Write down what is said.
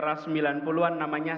era sembilan puluh an namanya